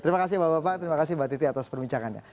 terima kasih bapak bapak terima kasih mbak titi atas perbincangannya